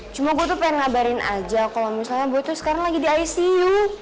cuma gue tuh pengen ngabarin aja kalau misalnya gue tuh sekarang lagi di icu